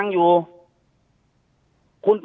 คุณภาคภูมิครับคุณภาคภูมิครับ